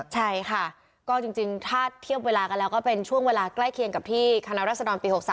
ใช่ค่ะก็จริงถ้าเทียบเวลากันแล้วก็เป็นช่วงเวลาใกล้เคียงกับที่คณะรัศดรปี๖๓